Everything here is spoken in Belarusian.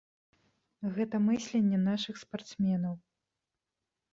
Гэта мысленне нашых спартсменаў.